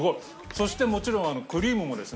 そしてもちろんクリームもですね